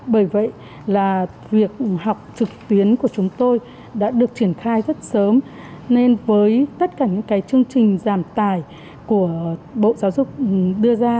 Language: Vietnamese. bởi vậy là việc học trực tuyến của chúng tôi đã được triển khai rất sớm nên với tất cả những cái chương trình giảm tài của bộ giáo dục đưa ra